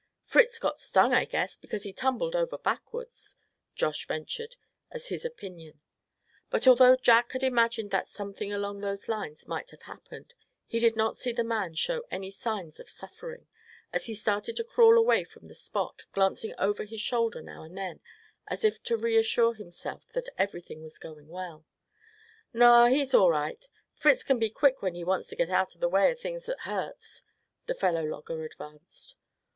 "Fritz got stung, I guess, because he tumbled over backwards," Josh ventured, as his opinion; but although Jack had imagined that something along those lines might have happened, he did not see the man show any signs of suffering, as he started to crawl away from the spot, glancing over his shoulder now and then, as if to reassure himself that everything was going well. "Naw, he's all right; Fritz kin be quick when he wants to get out o' the way o' things that hurts," the fellow logger advanced.